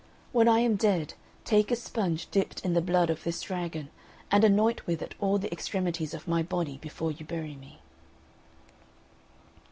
When I am dead, take a sponge dipped in the blood of this dragon and anoint with it all the extremities of my body before you bury me."